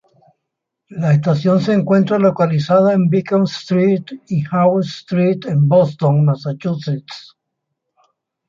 La estación se encuentra localizada en Beacon Street y Hawes Street en Boston, Massachusetts.